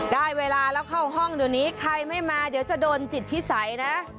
ได้เวลาแล้วเข้าห้องเดี๋ยวนี้ใครไม่มาเดี๋ยวจะโดนจิตพิสัยนะ